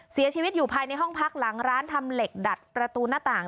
เสียชีวิตอยู่ภายในห้องพักหลังร้านทำเหล็กดัดประตูหน้าต่าง